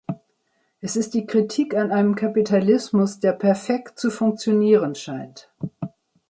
Es ist die Kritik an einem Kapitalismus, der perfekt zu funktionieren scheint.